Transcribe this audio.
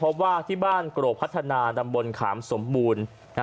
เพราะว่าที่บ้านกรกพัฒนาตำบลขามสมบูรณ์